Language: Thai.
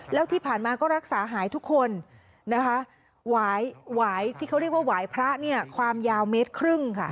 แล้วที่ผ่านมาก็รักษาหายทุกคนหวายพระความยาว๑๕เมตร